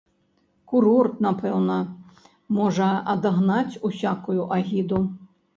Курорт, напэўна, можа адагнаць усякую агіду.